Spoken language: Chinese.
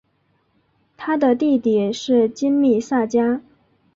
他的弟弟是金密萨加。